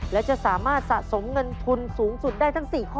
และจะสามารถสะสมเงินทุนสูงสุดได้ทั้ง๔ข้อ